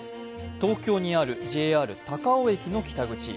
東京にあるＪＲ高尾駅の北口。